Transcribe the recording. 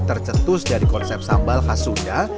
tercetus dari konsep sambal khas sunda